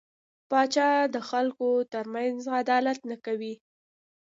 پاچا د خلکو ترمنځ عدالت نه کوي .